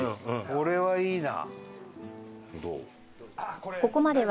これはいいな。